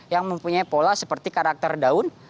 yang mempunyai pola seperti karakter daun